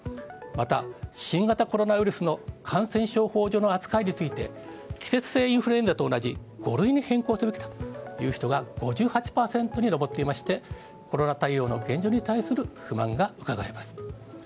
また新型コロナウイルスの感染症法上の扱いについて季節性インフルエンザと同じ５類に変更すべきという人が５８％に上っていまして、コロナ対応の現状に対する不満がうかがえます。